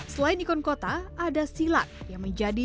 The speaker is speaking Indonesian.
selain ikon kota ada silat yang menjadi